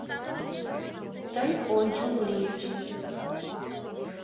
Тый ончыл лийыч...